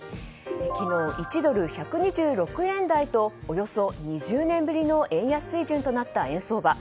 昨日、１ドル＝１２６円台とおよそ２０年ぶりの円安水準となった円相場。